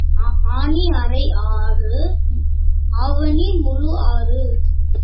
ஆனி அரை ஆறு ஆவணி முழு ஆறு.